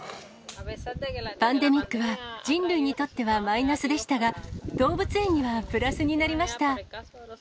パンデミックは、人類にとってはマイナスでしたが、動物園にはプラスになりました。